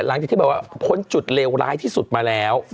หลังจากที่แบบว่าพ้นจุดเลวร้ายที่สุดมาแล้ว